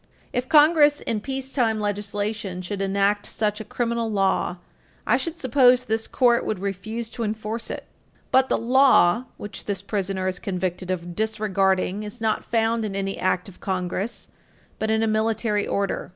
If Congress, in peacetime legislation, should Page 323 U. S. 244 enact such a criminal law, I should suppose this Court would refuse to enforce it. But the "law" which this prisoner is convicted of disregarding is not found in an act of Congress, but in a military order.